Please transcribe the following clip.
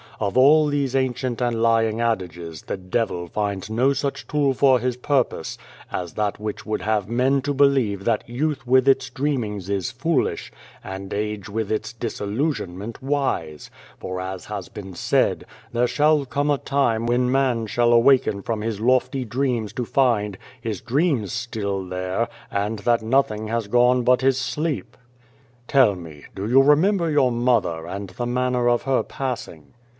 Of all these ancient and lying adages, the Devil finds no such tool for his purpose as that which would have men to believe that youth with its dreamings is foolish, and age with its disillusionment, wise ; for as has been said, * There shall come a time when man shall awaken from his lofty dreams to find his dreams still there, and that nothing has gone but his sleep.' " Tell me, do you remember your mother and the manner of her passing